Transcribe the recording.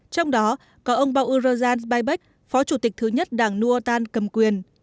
trong đó có ông bauruzan zbaybek phó chủ tịch thứ nhất đảng nuotan cầm quyền